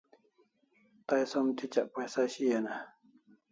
Tay som tichak paisa shian e?